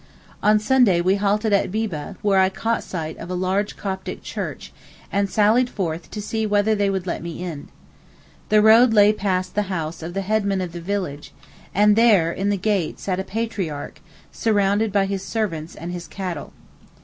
On Sunday we halted at Bibbeh, where I caught sight of a large Coptic church and sallied forth to see whether they would let me in. The road lay past the house of the headman of the village, and there 'in the gate' sat a patriarch, surrounded by his servants and his cattle.